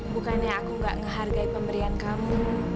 bukannya aku gak ngehargai pemberian kamu